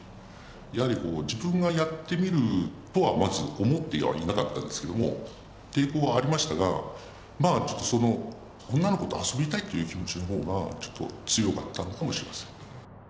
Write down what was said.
やはりこう自分がやってみるとはまず思ってはいなかったですけども抵抗はありましたがまあちょっとその女の子と遊びたいという気持ちの方がちょっと強かったのかもしれません。